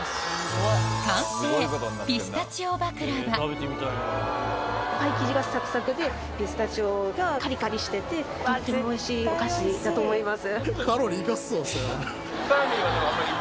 完成ピスタチオがカリカリしててとってもおいしいお菓子だと思います。